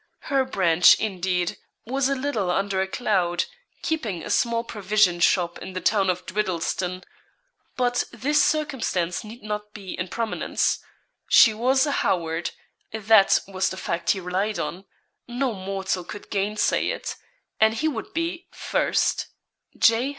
Her branch, indeed, was a little under a cloud, keeping a small provision shop in the town of Dwiddleston. But this circumstance need not be in prominence. She was a Howard that was the fact he relied on no mortal could gainsay it; and he would be, first, J.